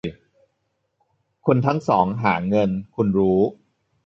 คุณทั้งสองหาเงิน คุณรู้